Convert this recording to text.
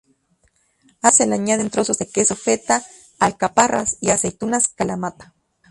A todo ello se le añaden trozos de queso feta, alcaparras y aceitunas kalamata.